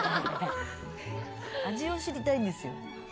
味を知りたいんですよ。